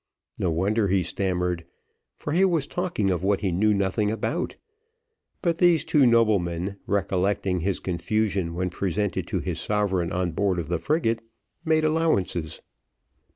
No wonder he stammered, for he was talking of what he knew nothing about but these two noblemen recollecting his confusion when presented to his sovereign on board of the frigate, made allowances.